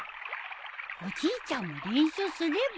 おじいちゃんも練習すれば？